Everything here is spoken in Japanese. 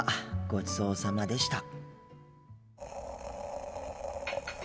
ごちそうさまでした。